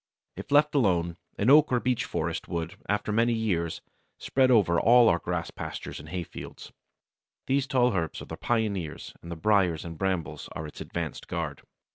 If left alone, an oak or beech forest would, after many years, spread over all our grass pastures and hay fields. These tall herbs are the pioneers, and the briers and brambles are its advanced guard.